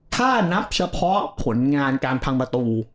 ถ้านับเฉพาะผลงานการพังประตู